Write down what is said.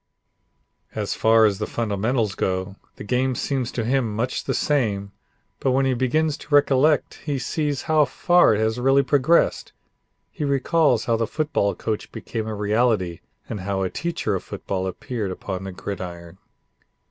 As far as the fundamentals go, the game seems to him much the same, but when he begins to recollect he sees how far it has really progressed. He recalls how the football coach became a reality and how a teacher of football appeared upon the gridiron.